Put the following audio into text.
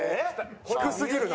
低すぎるな。